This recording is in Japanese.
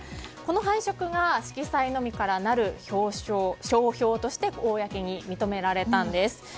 この配色が色彩のみからなる商標として公に認められたんです。